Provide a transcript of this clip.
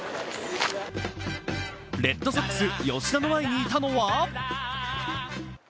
レッドソックス・吉田の前にいたのは？